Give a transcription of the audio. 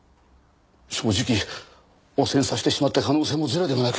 正直汚染させてしまった可能性もゼロではなく。